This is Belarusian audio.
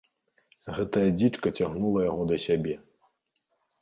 Гэтая дзічка цягнула яго да сябе.